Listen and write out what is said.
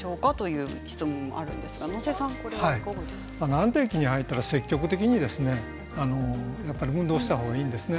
安定期に入ったら積極的に運動をした方がいいんですね。